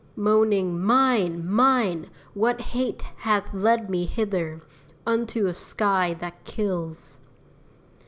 Moaning, "Mine! mine! what hate hath led me hither Unto a sky that kills?"